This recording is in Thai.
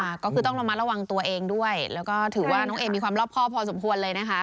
ค่ะก็คือต้องระมัดระวังตัวเองด้วยแล้วก็ถือว่าน้องเอมมีความรอบครอบพอสมควรเลยนะคะ